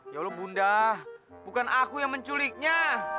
ya allah bunda bukan aku yang menculiknya